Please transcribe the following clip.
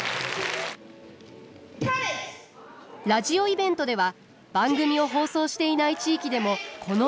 ラジオイベントでは番組を放送していない地域でもこのにぎわい。